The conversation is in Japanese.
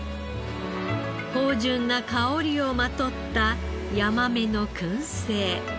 芳醇な香りをまとったヤマメの燻製。